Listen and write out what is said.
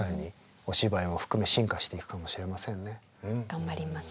頑張ります。